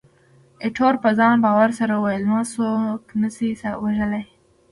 ایټور په ځان باور سره وویل، ما څوک نه شي وژلای.